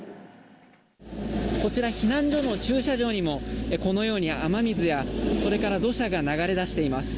こちら避難所の駐車場にもこのように雨水やそれから土砂が流れ出しています。